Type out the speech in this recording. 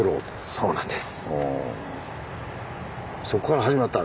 そうなんです。